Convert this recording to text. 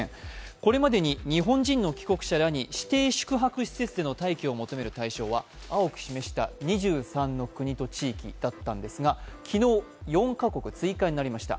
これまでに日本人の帰国者らに指定宿泊施設での待機を求める対象は青く示した２３の国と地域だったんですが、昨日、４カ国追加になりました。